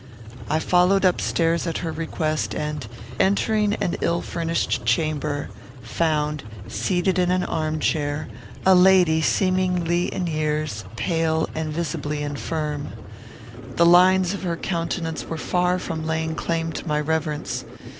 I followed up stairs, at her request; and, entering an ill furnished chamber, found, seated in an arm chair, a lady seemingly in years, pale, and visibly infirm. The lines of her countenance were far from laying claim to my reverence.